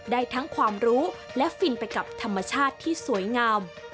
ได้ทั้งความรู้และฟินไปกับธรรมชาติที่สวยงาม